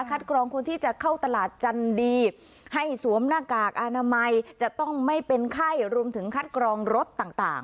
กรองคนที่จะเข้าตลาดจันดีให้สวมหน้ากากอนามัยจะต้องไม่เป็นไข้รวมถึงคัดกรองรถต่าง